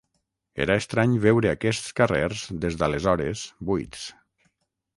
Era estrany veure aquests carrers des d’aleshores buits.